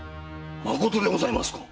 まことでございますか⁉